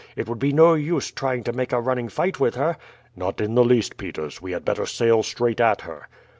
It would be no use trying to make a running fight with her?" "Not in the least, Peters. We had better sail straight at her."